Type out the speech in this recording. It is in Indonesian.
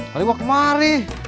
kali mau kemari